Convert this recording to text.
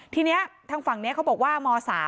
ทีนี้ทางฝั่งนี้เขาบอกว่าม๓